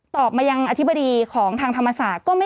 มายังอธิบดีของทางธรรมศาสตร์